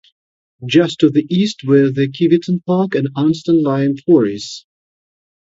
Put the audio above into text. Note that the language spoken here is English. Just to the east were the Kiveton Park and Anston lime quarries.